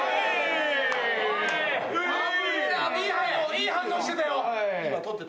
いい反応してたよ。